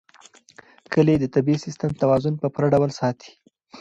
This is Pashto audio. کلي د طبعي سیسټم توازن په پوره ډول ساتي.